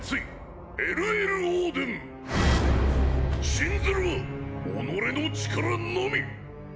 信ずるは己の力のみ！！